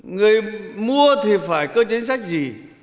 người mua thì phải cơ chế chính sách gì